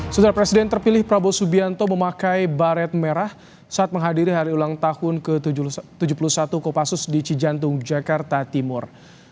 setelah presiden terpilih prabowo subianto memakai baret merah saat menghadiri hari ulang tahun ke tujuh puluh satu kopassus di cijantung jakarta timur